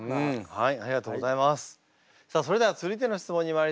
はい！